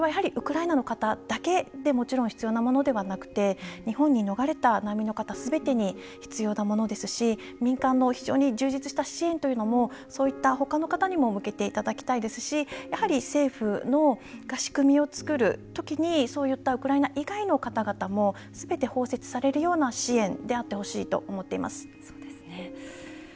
それはやはりウクライナの方だけにもちろん必要なものではなくて日本に逃れた難民の方すべてに必要なものですし民間の非常に充実した支援をほかの方にも向けていただきたいですしやはり政府が仕組みを作る時にそういったウクライナ以外の方々もすべて包摂されるような支援であってほしいと思っています。